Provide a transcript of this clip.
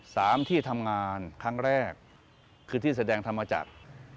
สามที่ทำงานครั้งแรกคือที่แสดงธรรมจักร